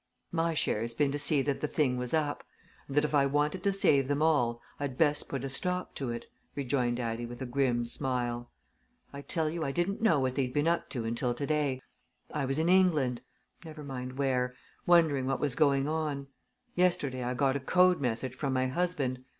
"My share's been to see that the thing was up, and that if I wanted to save them all, I'd best put a stop to it," rejoined Addie, with a grim smile. "I tell you, I didn't know what they'd been up to until today. I was in England never mind where wondering what was going on. Yesterday I got a code message from my husband.